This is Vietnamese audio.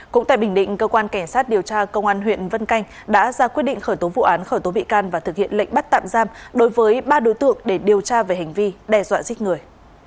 cũng tại bình định cơ quan cảnh sát điều tra công an huyện vân canh đã ra quyết định khởi tố vụ án khởi tố bị can và thực hiện lệnh bắt tạm giam đối với ba đối tượng để điều tra về hành vi đe dọa giết người